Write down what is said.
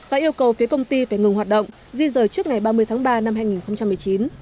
và yêu cầu phía công ty phải ngừng hoạt động di rời trước ngày ba mươi tháng ba năm hai nghìn một mươi chín